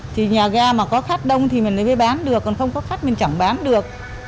thì nhà ga mà có khát đông thì mình mới bán được còn không có khách mình chẳng bán được